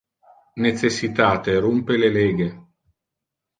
Necessitate rumpe le lege.